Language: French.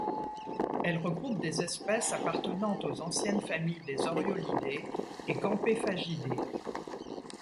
Elle regroupe des espèces appartenant aux anciennes familles des oriolidés et campéphagidés.